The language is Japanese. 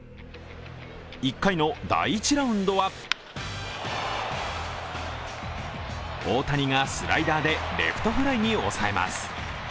１回の第１ラウンドは大谷がスライダーでレフトフライに抑えます。